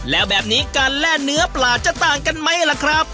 แล้วแบบนี้การแล่เนื้อปลาจะต่างกันไหมล่ะครับ